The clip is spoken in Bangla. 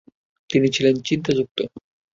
তিনি ছিলেন চিন্তাযুক্ত।